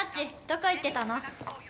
どこ行ってたの？